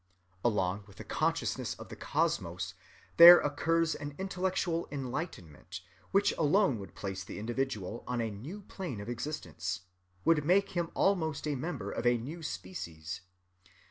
Along with the consciousness of the cosmos there occurs an intellectual enlightenment which alone would place the individual on a new plane of existence—would make him almost a member of a new species.